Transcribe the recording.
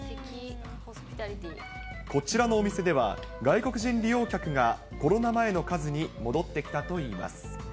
こちらのお店では、外国人利用客がコロナ前の数に戻ってきたといいます。